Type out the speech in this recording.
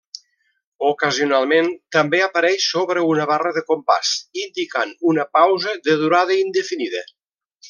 Ocasionalment també apareix sobre una barra de compàs indicant una pausa de durada indefinida.